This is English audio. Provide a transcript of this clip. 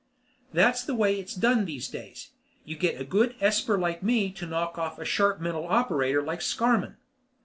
That's the way it's done these days. You get a good esper like me to knock off a sharp mental operator like Scarmann.